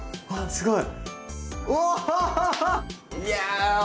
すごい。